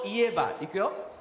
いくよ。